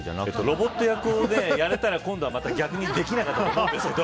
ロボット役をやっていたら今度はまた逆にできなかったと思いますけど。